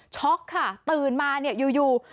ช็อคค่ะตื่นมาอยู่